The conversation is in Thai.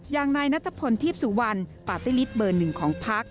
อย่างนายนัทพลทีพสุวรรณปาร์ตี้ลิตเบอร์หนึ่งของพัก